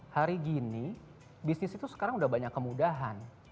hari ini bisnis itu sekarang sudah banyak kemudahan